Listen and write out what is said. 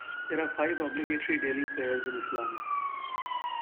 There are five obligatory daily prayers in Islam.